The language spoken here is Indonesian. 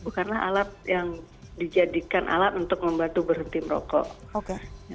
bukanlah alat yang dijadikan alat untuk membantu berhenti merokok